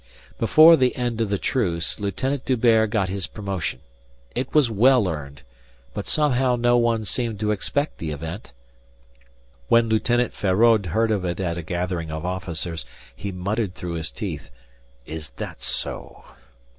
Before the end of the truce, Lieutenant D'Hubert got his promotion. It was well earned, but somehow no one seemed to expect the event. When Lieutenant Feraud heard of it at a gathering of officers, he muttered through his teeth, "Is that so?"